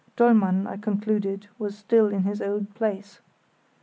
Dollmann, I concluded, was still in his old place.